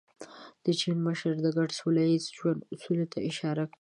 د چین مشر د ګډ سوله ییز ژوند اصولو ته اشاره کړې.